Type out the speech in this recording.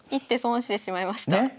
１手損してしまいました。ね？